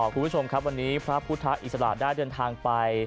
คุณผู้ชมครับวันนี้พระพุทธอิสระได้เดินทางไป